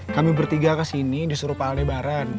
kami bertiga kesini disuruh pak aldebaran